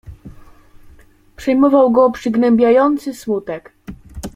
"Przejmował go przygnębiający smutek."